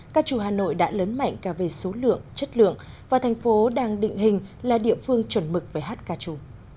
ca trù hà nội đã lớn mạnh cả về số lượng chất lượng và thành phố đang định hình là địa phương chuẩn mực về hát ca trù